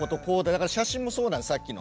だから写真もそうなんですさっきの。